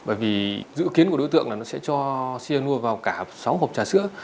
bởi vì dự kiến của đối tượng là nó sẽ cho xe nuôi vào cả sáu hộp trà sữa